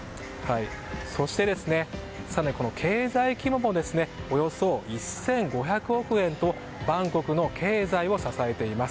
そして、経済規模もおよそ１５００億円とバンコクの経済を支えています。